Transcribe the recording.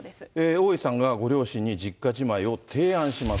大井さんがご両親に実家じまいを提案します。